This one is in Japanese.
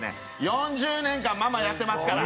４０年間ママやってますから。